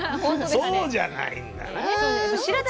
そうじゃないんだな。